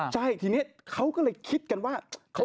ใช่ทีนี้เขาก็เลยคิดกันว่า